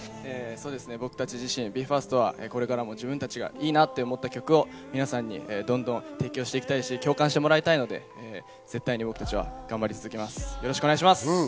僕たち自身、ＢＥ：ＦＩＲＳＴはこれからも自分たちがいいなと思った曲を皆さんにどんどん提供していきたいし、共感してもらいたいので、絶対に僕たちは頑張り続けます。